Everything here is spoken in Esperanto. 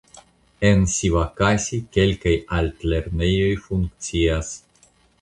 En Sivakasi kelkaj altlernejoj funkcias.